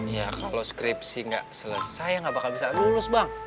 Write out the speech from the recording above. ya kalau skripsi nggak selesai nggak bakal bisa lulus bang